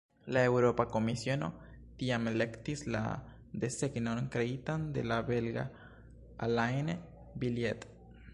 La Eŭropa Komisiono tiam elektis la desegnon kreitan de la belga Alain Billiet.